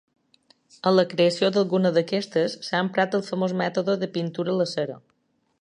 En la creació d'alguna d'aquestes, s'ha emprat el famós mètode de pintura a la cera.